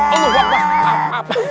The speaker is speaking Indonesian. aduh apa apa